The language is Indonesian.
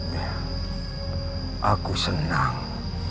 ya aku senang